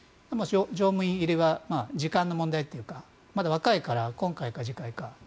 常務委員入りは時間の問題というかまだ若いから今回か次回か。